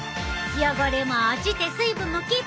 汚れも落ちて水分もキープ！